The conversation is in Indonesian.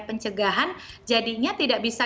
pencegahan jadinya tidak bisa